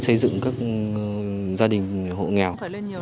xây dựng các gia đình hộ nghèo